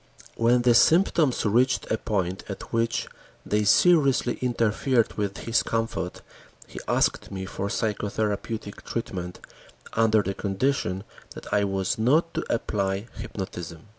When the symptoms reached a point at which they seriously interfered with his comfort, he asked me for psychotherapeutic treatment, under the condition that I was not to apply hypnotism.